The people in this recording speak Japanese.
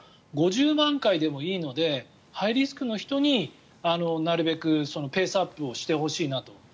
むしろ５０万回でもいいのでハイリスクの人になるべくペースアップをしてほしいなと。